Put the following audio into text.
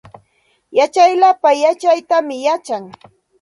Yachaq lapa yachaytam yachan